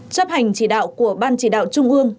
chấp hành chỉ đạo của ban chỉ đạo trung ương